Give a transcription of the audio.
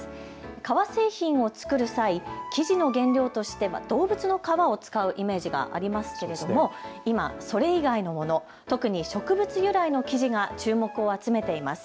革製品を作る際、生地の原料としては動物の皮を使うイメージがありますけれども今、それ以外のもの、特に植物由来の生地が注目を集めています。